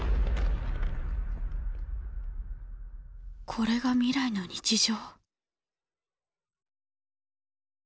これが未来の日常。